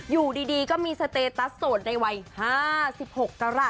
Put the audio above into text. อยู่ดีก็มีสเตตัสโสดในวัย๕๖กรัฐ